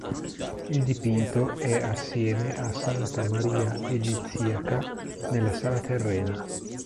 Il dipinto è assieme a "Santa Maria Egiziaca" nella Sala Terrena.